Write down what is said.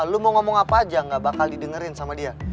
lu mau ngomong apa aja gak bakal didengerin sama dia